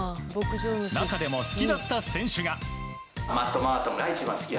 中でも好きだった選手が。